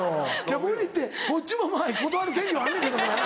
無理ってこっちも断る権利はあんねんけどもやな。